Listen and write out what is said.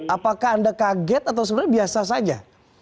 apakah anda kaget atau sebenarnya biasa saja